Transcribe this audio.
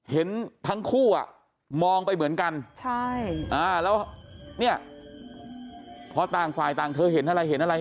เห็นทั้งคู่อ่ะมองไปเหมือนกันแล้วเนี่ยพอต่างฝ่ายต่างเธอเห็นอะไรเห็นอะไร